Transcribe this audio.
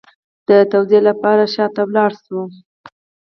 د توضیح لپاره شا ته لاړ شو